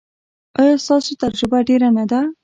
ایا ستاسو تجربه ډیره نه ده؟